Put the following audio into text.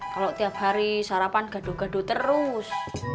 kalau tiap hari sarapan gado gado terus